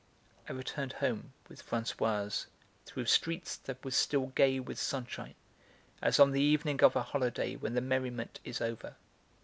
I returned home with Françoise through streets that were still gay with sunshine, as on the evening of a holiday when the merriment is over.